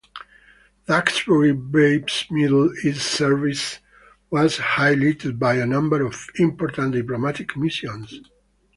"Duxbury Bay"s Middle East service was highlighted by a number of important diplomatic missions.